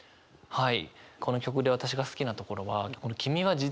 はい。